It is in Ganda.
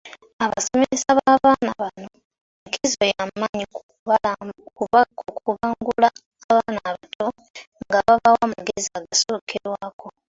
Abasomesa b’abaana bano nkizo ya maanyi mu kubangula abaana abato nga babawa amagezi agasookerwako.